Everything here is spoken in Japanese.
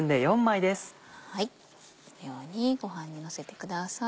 このようにご飯にのせてください。